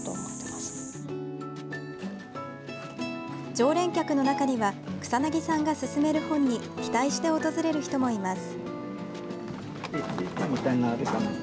常連客の中には草薙さんが薦める本に期待して訪れる人もいます。